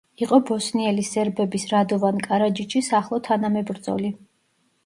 იყო ბოსნიელი სერბების რადოვან კარაჯიჩის ახლო თანამებრძოლი.